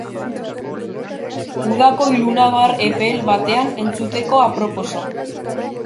Udako ilunabar epel batean entzuteko aproposa.